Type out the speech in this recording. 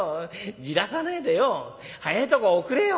じらさねえでよ早えとこおくれよ」。